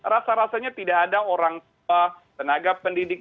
rasa rasanya tidak ada orang tua tenaga pendidik